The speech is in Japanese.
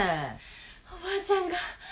おばあちゃんが。